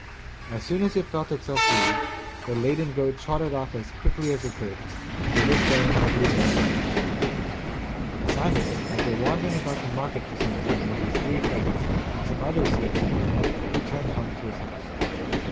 As soon as it felt itself free, the laden goat trotted off as quickly as it could, and to this day nobody knows what became of it. But Simon, after wandering about the market for some time with his three friends and some others he had picked up, returned home to his house.